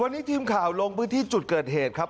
วันนี้ทีมข่าวลงพื้นที่จุดเกิดเหตุครับ